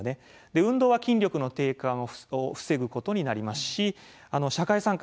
運動は筋力の低下を防ぐことになりますし社会参加